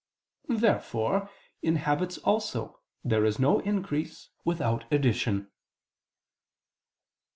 Therefore in habits also there is no increase without addition.